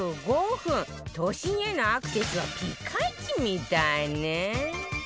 都心へのアクセスはピカイチみたいね